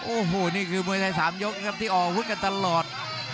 โอ้โหนี่คือมวยไทย๓ยกนะครับที่ออกอาวุธกันตลอด